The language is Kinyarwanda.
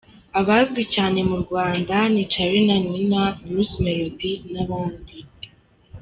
Abazwi cyane mu Rwanda ni Charly na Nina, Bruce Melodie n’abandi.